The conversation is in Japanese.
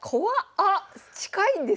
あっ近いんです。